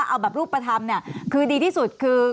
เอาแบบรูปประธัมภ์คือดีที่สุดคือ